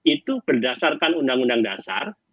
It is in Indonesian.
itu berdasarkan undang undang dasar